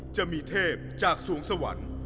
จะมีเทพจากสวงสวรรค์